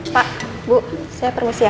pak bu saya permisi ya